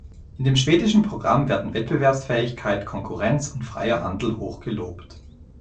In dem schwedischen Programm werden Wettbewerbsfähigkeit, Konkurrenz und freier Handel hoch gelobt.